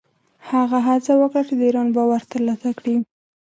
هغه هڅه وکړه چې د ایران باور ترلاسه کړي.